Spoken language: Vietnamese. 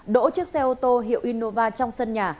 đỗ chiếc xe ô tô hiệu innova trong sân nhà